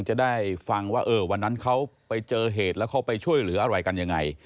จะได้ฟังว่าวันนั้นเขาไปเจอเหตุแล้วเขาไปช่วยเหลืออะไรกันยังไง